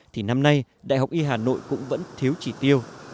thì năm nay đại học y hà nội cũng vẫn thiếu chỉ tiêu